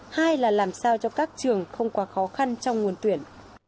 hai là làm sao cho các trường không quá khó khăn trong nguồn tuyển